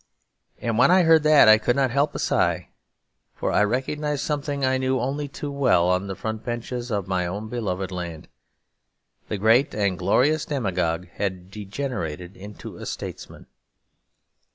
And when I heard that, I could not help a sigh; for I recognised something that I knew only too well on the front benches of my own beloved land. The great and glorious demagogue had degenerated into a statesman.